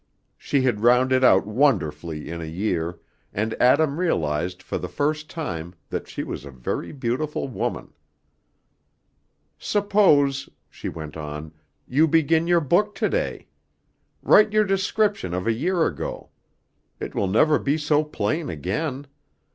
She had rounded out wonderfully in a year, and Adam realized for the first time that she was a very beautiful woman. "Suppose," she went on, "you begin your book to day. Write your description of a year ago. It will never be so plain again.